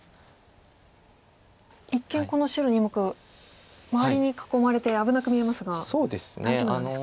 一見この白２目周りに囲まれて危なく見えますが大丈夫なんですか。